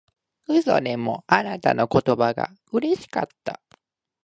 嘘でもあなたの言葉がうれしかった